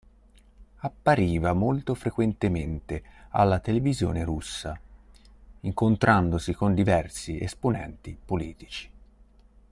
Appariva molto frequentemente alla televisione russa, incontrandosi con diversi esponenti politici.